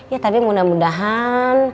ya tapi mudah mudahan